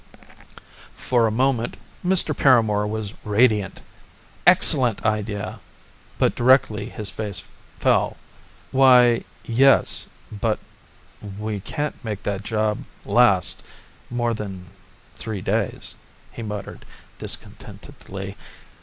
For a moment Mr. Paramor was radiant. "Excellent idea!" but directly his face fell. "Why ... Yes! But we can't make that job last more than three days," he muttered discontentedly.